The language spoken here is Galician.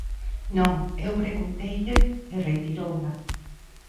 Non, eu pregunteille e retirouna.